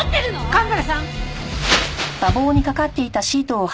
蒲原さん！